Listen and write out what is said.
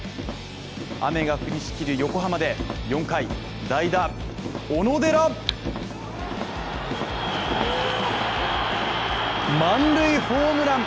雨が降りしきる横浜で４回、代打・小野寺満塁ホームラン